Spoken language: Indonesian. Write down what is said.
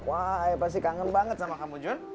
ayah pasti kangen banget sama kamu jun